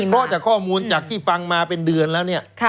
เพราะจากข้อมูลจากที่ฟังมาเป็นเดือนแล้วเนี่ย